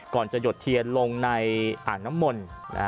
ก่อนจะหยดเทียนลงในอ่างน้ำมนต์